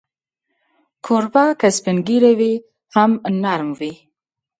کوربه که سپین ږیری وي، هم نرم وي.